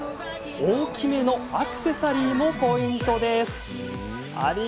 大きめのアクセサリーもポイントです。